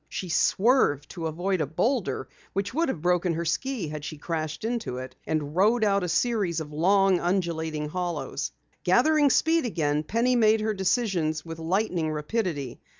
She swerved to avoid a boulder which would have broken her ski had she crashed into it, and rode out a series of long, undulating hollows. Gathering speed again, Penny made her decisions with lightning rapidity.